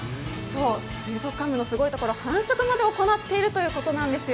水族館部のすごいところは繁殖まで行っているということなんですよ。